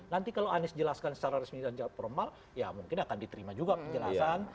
nanti kalau anies jelaskan secara resmi secara formal ya mungkin akan diterima juga penjelasan